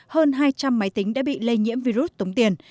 hơn hai trăm linh máy tính đã bị lây nhiễm virus tống tiền